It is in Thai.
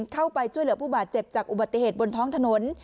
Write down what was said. เข้าไปช่วยเหลือผู้บาดเจ็บจากอุบัติเหตุบนท้องถนน